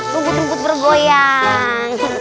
tumbuh tembut bergoyang